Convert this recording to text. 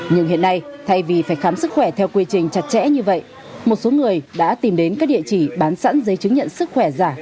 nhưng hiện nay thay vì phải khám sức khỏe theo quy trình chặt chẽ như vậy một số người đã tìm đến các địa chỉ bán sẵn giấy chứng nhận sức khỏe giả